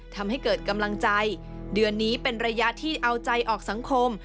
ทำให้เกิดกำลังใจเดือนนี้เป็นระยะที่เอาใจออกสังคม